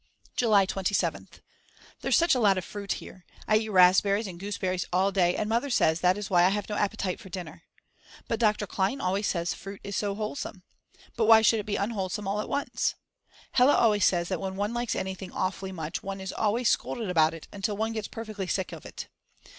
July 27th. There's such a lot of fruit here. I eat raspberries and gooseberries all day and Mother says that is why I have no appetite for dinner. But Dr. Klein always says Fruit is so wholesome. But why should it be unwholesome all at once? Hella always says that when one likes anything awfully much one is always scolded about it until one gets perfectly sick of it.